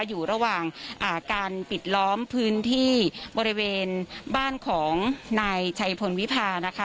อยู่ระหว่างการปิดล้อมพื้นที่บริเวณบ้านของนายชัยพลวิพานะคะ